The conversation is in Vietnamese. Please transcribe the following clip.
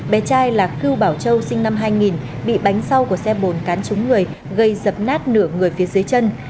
bé trai là cưu bảo châu sinh năm hai nghìn bị bánh sau của xe bồn cán trúng người gây dập nát nửa người phía dưới chân